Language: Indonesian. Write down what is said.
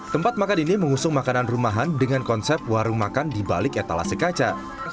tempat makan ini mengusung makanan rumahan dengan konsep warung makan di balik etalasi kaca